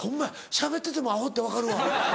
しゃべっててもアホって分かるわ。